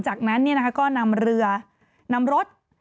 จากนั้นก็นำเรือนำรถ